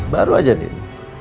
baru aja din